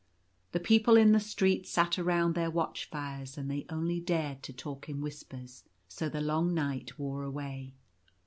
The people in the streets sat around their watch fires, and they only dared to talk in whispers. So the long night wore away.